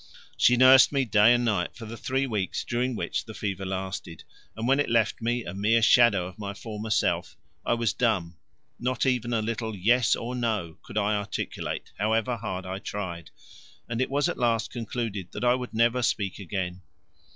She nursed me day and night for the three weeks during which the fever lasted, and when it left me, a mere shadow of my former self, I was dumb not even a little Yes or No could I articulate however hard I tried, and it was at last concluded that I would never speak again.